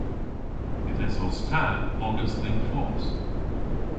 Yth esos ta ogas dhe'n fos.